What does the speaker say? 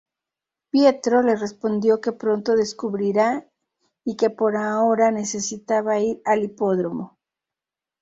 Pietro le respondió que pronto descubrirá y que por ahora necesitaba ir al hipódromo.